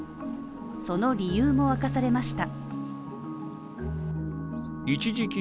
その理由も明かされました。